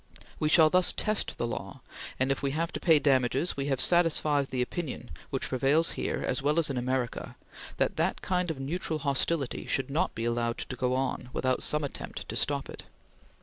We shall thus test the law, and, if we have to pay damages, we have satisfied the opinion which prevails here as well as in America that that kind of neutral hostility should not be allowed to go on without some attempt to stop it."